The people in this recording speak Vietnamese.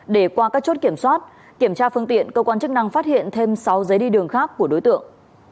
để qua các chốt kiểm soát kiểm tra phương tiện cơ quan chức năng phát hiện thêm sáu giấy đi đường khác của đối tượng